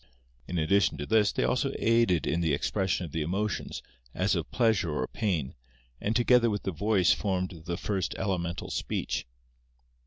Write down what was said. In addition to this, they also aided in the expression of the emotions, as of pleasure or pain, and together with the voice formed the first elemental speech.